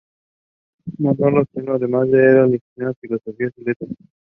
And this authority is under Ministry of Housing and Urban Development.